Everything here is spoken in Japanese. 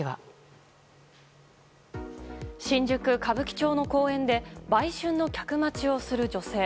新宿・歌舞伎町の公園で売春の客待ちをする女性。